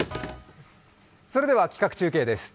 それでは企画中継です。